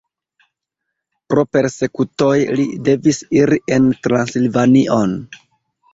Pro persekutoj li devis iri en Transilvanion.